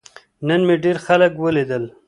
نن مې ډیر خلک ولیدل.